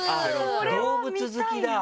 動物好きだ。